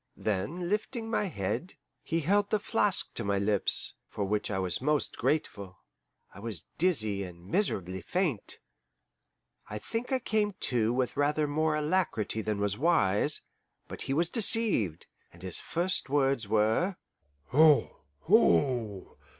Then, lifting my head, he held the flask to my lips; for which I was most grateful I was dizzy and miserably faint. I think I came to with rather more alacrity than was wise, but he was deceived, and his first words were, "Ho, ho!